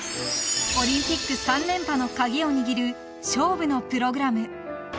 ［オリンピック３連覇の鍵を握る勝負のプログラム］